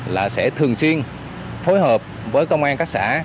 là sẽ thường xuyên phối hợp với công an các xã